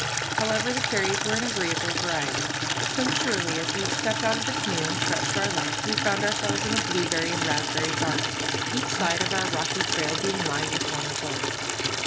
However, the carries were an agreeable variety. So surely as we stepped out of the canoe and stretched our legs we found ourselves in a blueberry and raspberry garden, each side of our rocky trail being lined with one or both.